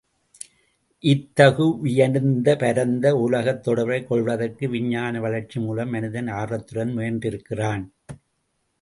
இத்தகு விரிந்த பரந்த உலகத் தொடர்பைக் கொள்வதற்கு விஞ்ஞான வளர்ச்சி மூலம் மனிதன் ஆர்வத்துடன் முயன்றிருக்கிறான்.